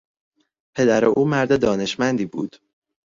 پدر او مرد دانشمندی بود.